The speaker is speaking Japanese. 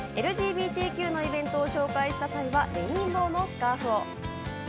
ＬＧＢＴＱのイベントを紹介した際はレインボーのスカーフを。